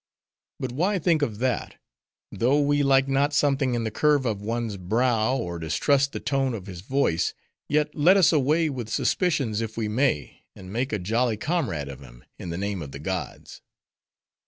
But why think of that? Though we like not something in the curve of one's brow, or distrust the tone of his voice; yet, let us away with suspicions if we may, and make a jolly comrade of him, in the name of the gods.